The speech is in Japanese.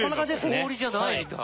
氷じゃないみたい。